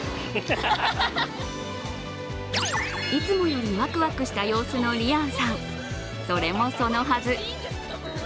いつもよりわくわくした様子の莉杏さん、それもそのはず